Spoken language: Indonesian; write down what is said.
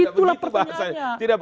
tidak begitu bahasanya